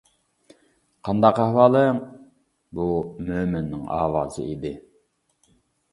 قانداق ئەھۋالىڭ؟ -بۇ مۆمىننىڭ ئاۋازى ئىدى.